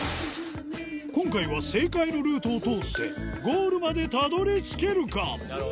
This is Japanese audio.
今回は正解のルートを通ってゴールまでたどり着けるか？